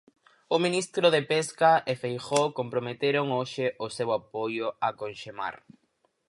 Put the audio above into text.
O ministro de Pesca e Feijóo comprometeron hoxe o seu apoio a Conxemar.